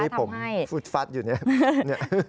ที่ผมฟุตฟัดอยู่เนี่ย